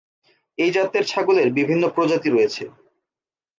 এই জাতের ছাগলের বিভিন্ন প্রজাতি রয়েছে।